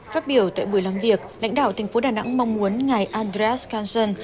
phát biểu tại buổi làm việc lãnh đạo thành phố đà nẵng mong muốn ngài andreas kasson